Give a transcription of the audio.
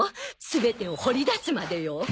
全てを掘り出すまでよ。